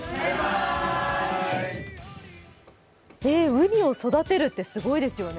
うにを育てるってすごいですよね。